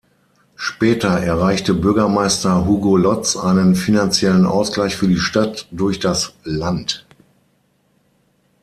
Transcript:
Später erreichte Bürgermeister Hugo Lotz einen finanziellen Ausgleich für die Stadt durch das Land.